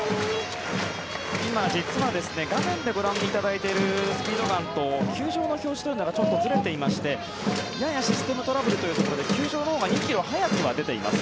今、実は画面でご覧いただいているスピードガンと球場の表示がずれていましてややシステムトラブルということで球場のほうが２ｋｍ速くは出ています。